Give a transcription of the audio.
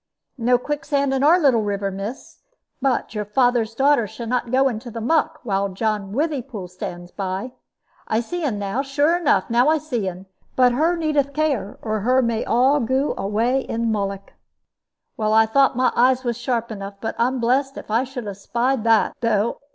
"No quicksand in our little river, miss. But your father's daughter shannot go into the muck, while John Withypool stands by. I see un now, sure enough; now I see un! But her needeth care, or her may all goo away in mullock. Well, I thought my eyes was sharp enough; but I'm blest if I should have spied that, though.